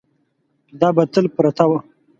دا به تل پرته وه.